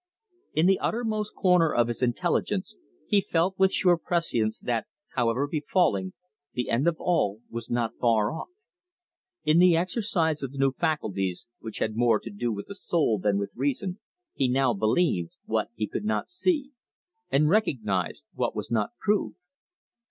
In the uttermost corner of his intelligence he felt with sure prescience that, however befalling, the end of all was not far off. In the exercise of new faculties, which had more to do with the soul than with reason, he now believed what he could not see, and recognised what was not proved.